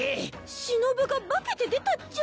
しのぶが化けて出たっちゃ。